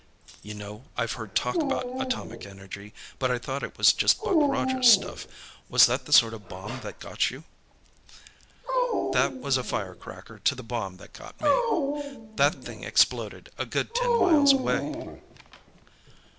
"You know, I've heard talk about atomic energy, but I thought it was just Buck Rogers stuff. Was that the sort of bomb that got you?" "That was a firecracker to the bomb that got me. That thing exploded a good ten miles away."